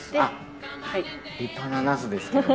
立派ななすですけども。